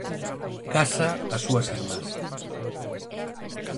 Casa a súas irmás.